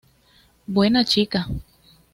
Buena chica.